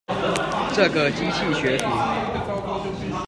這個機器學徒